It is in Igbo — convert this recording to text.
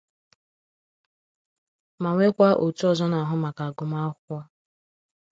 ma nwekwa òtù ọzọ na-ahụ maka agụmakwụkwọ